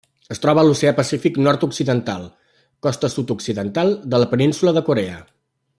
Es troba a l'Oceà Pacífic nord-occidental: costa sud-occidental de la Península de Corea.